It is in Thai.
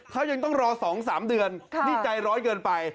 เขายังต้องรอ๒๓เดือนนี่ใจร้อยเกินไป